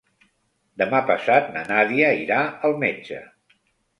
Demà passat na Nàdia irà al metge.